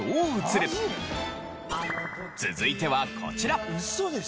続いてはこちら。